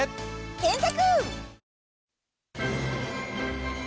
検索！